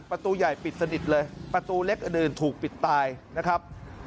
ประตูใหญ่ปิดสนิทเลยประตูเล็กอื่นถูกปิดตายนะครับ